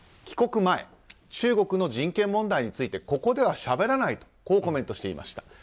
帰国前、中国の人権問題についてここではしゃべらないとコメントしていました。